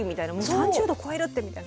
「３０℃超えるって」みたいな。